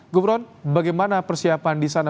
gubron bagaimana persiapan di sana